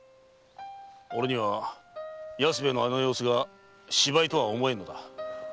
俺には安兵衛のあの様子が芝居とは思えんのだ。